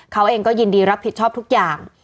เขาเองก็ยินดีรับผิดชอบทุกอย่าง